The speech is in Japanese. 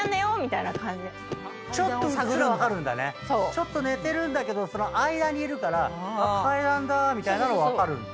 ちょっと寝てるんだけどその間にいるから階段だみたいなの分かるんだ。